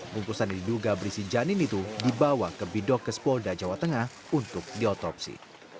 bungkusan diduga berisi janin itu dibawa ke bidok ke spolda jawa tengah untuk diotopsi